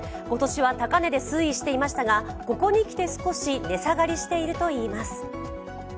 今年は高値で推移していましたが、ここに来て少し値下がりしているといいます。